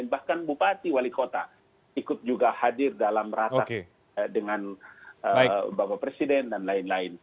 bahkan bupati wali kota ikut juga hadir dalam ratas dengan bapak presiden dan lain lain